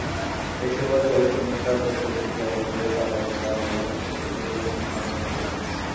সেই সুবাদে ওয়েস্টমিনস্টার প্রত্যয়টিকে অবসরে পাঠাতে চান এবং পরিত্যজ্যও ঘোষণা করতে চান।